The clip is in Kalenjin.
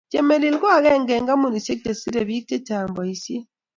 Chemelil ko akenge eng kampunishe che serei biik che chang boisie.